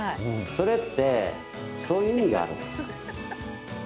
それってそういう意味があるんですよ。